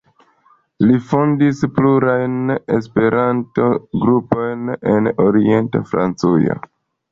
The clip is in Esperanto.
Li fondis plurajn Esperanto-grupojn en Orient-Francujo.